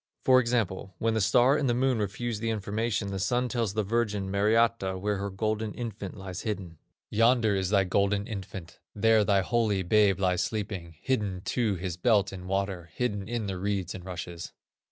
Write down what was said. For example, when the Star and the Moon refuse the information, the Sun tells the Virgin Mariatta, where her golden infant lies hidden. "Yonder is thy golden infant, There thy holy babe lies sleeping, Hidden to his belt in water, Hidden in the reeds and rushes."